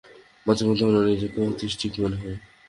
মাঝেমধ্যে আমার নিজেকেই অটিস্টিক মনে হয়।